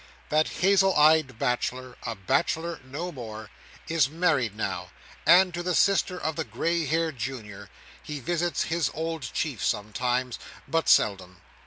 That hazel eyed bachelor, a bachelor no more, is married now, and to the sister of the grey haired Junior. He visits his old chief sometimes, but seldom.